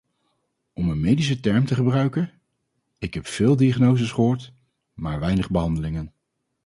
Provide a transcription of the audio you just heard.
Om een medische term te gebruiken: ik heb veel diagnoses gehoord, maar weinig behandelingen.